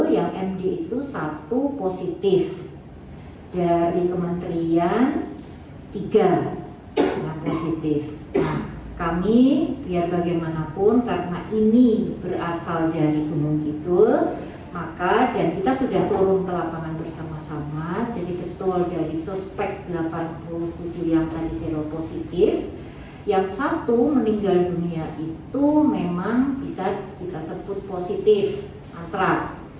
yang satu meninggal dunia itu memang bisa kita sebut positif antraks